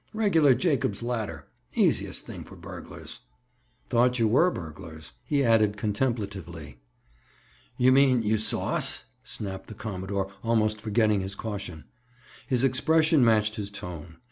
Regular Jacob's ladder! Easiest thing for burglars! Thought you were burglars," he added contemplatively. "You mean you saw us?" snapped the commodore, almost forgetting his caution. His expression matched his tone.